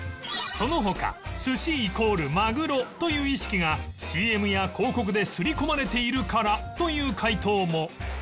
その他「寿司イコールマグロという意識が ＣＭ や広告ですり込まれているから」という回答も